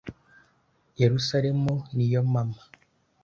Yerusalemu ni yo mama